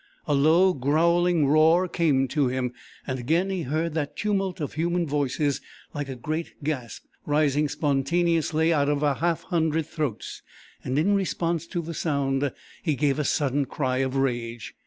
A low, growling roar came to him, and again he heard that tumult of human voices, like a great gasp rising spontaneously out of half a hundred throats, and in response to the sound he gave a sudden cry of rage.